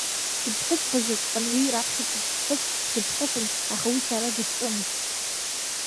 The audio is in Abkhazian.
Дыԥҳәызбаҵәҟьан уи, раԥхьатәи сыԥҳәыс, дыԥҳәысын, аха уи сара дыстәымызт.